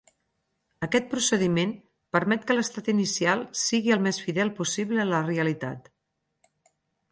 Aquest procediment permet que l'estat inicial sigui el més fidel possible a la realitat.